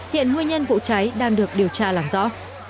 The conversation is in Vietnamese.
hiện nguyên nhân vụ cháy đang được điều tra làm rõ